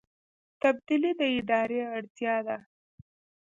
تبدیلي د ادارې اړتیا ده